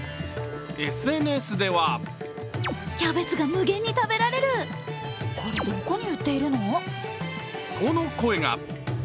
ＳＮＳではとの声が。